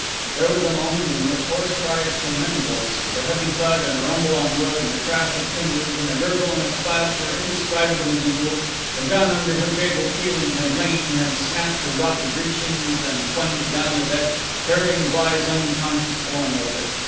_" There was a moment in which hoarse cries from many voices, a heavy thud and rumble on wood, and a crash of timbers and a gurgle and a splash were indescribably mingled; the gun under which Abel Keeling had lain had snapped her rotten breechings and plunged down the deck, carrying Bligh's unconscious form with it.